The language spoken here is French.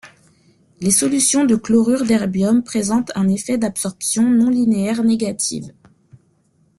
Les solutions de chlorure d'erbium présentent un effet d'absorption non-linéaire négative.